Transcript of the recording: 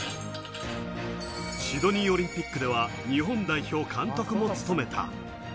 シドニーオリンピックでは日本代表監督も務めた。